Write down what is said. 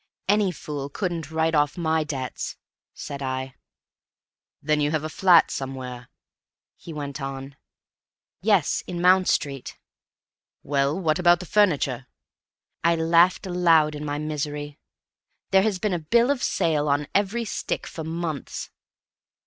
"Any fool couldn't write off my debts," said I. "Then you have a flat somewhere?" he went on. "Yes, in Mount Street." "Well, what about the furniture?" I laughed aloud in my misery. "There's been a bill of sale on every stick for months!"